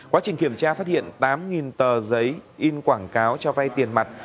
quá trình kiểm tra phát hiện tám tờ giấy in quảng cáo cho vay tiền mặt